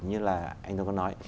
như là anh tôi có nói